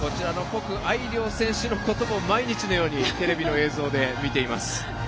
谷愛凌選手のことも毎日のようにテレビの映像で見ています。